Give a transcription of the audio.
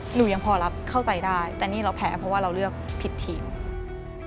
หนูยังพอรับเข้าใจได้แต่นี่เราแพ้เพราะว่าเราเลือกผิดทีม